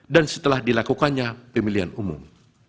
dan setelah dilakukannya pemilihan umum